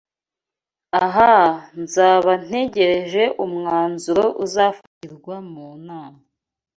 Ahaa! Nzaba ntegereje umwanzuro uzafatirwa mu nama.